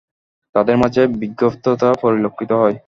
তাদের মাঝে বিক্ষিপ্ততা পরিলক্ষিত হয়।